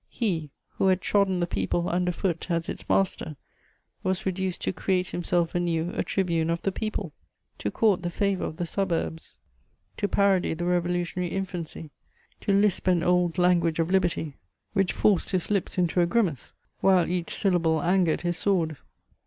He, who had trodden the people under foot as its master, was reduced to create himself anew a tribune of the people, to court the favour of the suburbs, to parody the revolutionary infancy, to lisp an old language of liberty which forced his lips into a grimace, while each syllable angered his sword.